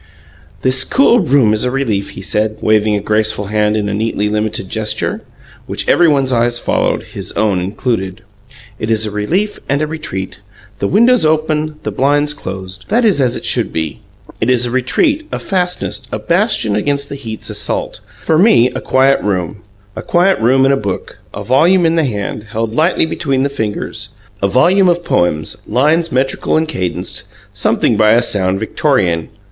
"This cool room is a relief," he said, waving a graceful hand in a neatly limited gesture, which everybody's eyes followed, his own included. "It is a relief and a retreat. The windows open, the blinds closed that is as it should be. It is a retreat, a fastness, a bastion against the heat's assault. For me, a quiet room a quiet room and a book, a volume in the hand, held lightly between the fingers. A volume of poems, lines metrical and cadenced; something by a sound Victorian.